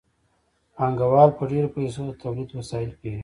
پانګوال په ډېرو پیسو د تولید وسایل پېري